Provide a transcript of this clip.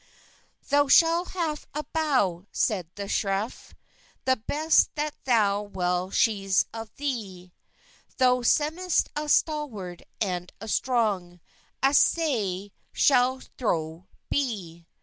"Thow schall haffe a bow," seyde the screffe, "The best that thow well cheys of thre; Thou semyst a stalward and a stronge, Asay schall thow be."